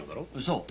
そう。